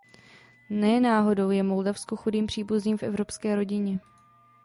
Ne náhodnou je Moldavsko chudým příbuzným v evropské rodině.